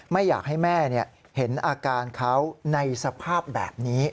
ไม่อยากให้แม่เห็นอาการเขาในสภาพแบบนี้